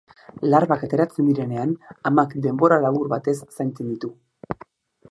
Larbak ateratzen direnean amak denbora labur batez zaintzen ditu.